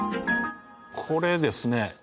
これですね